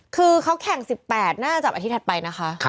คือเขาแข่ง๑๘น่าจะจับอาทิตถัดไปนะคะ